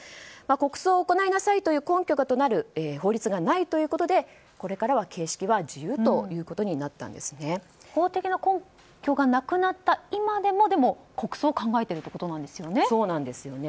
国葬を行いなさいという根拠となる法律がないということでこれからは法的な根拠がなくなった今でもでも国葬を考えているということですね。